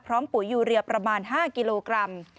พร้อมปุ๋ยอยู่เรียบประมาณ๕กิโลกรัม